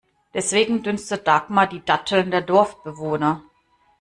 Deswegen dünstet Dagmar die Datteln der Dorfbewohner.